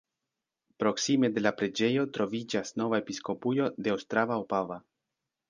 Proksime de la preĝejo troviĝas nova episkopujo de Ostrava-Opava.